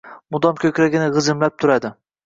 Mudom koʻkragini gʻijimlab turadi.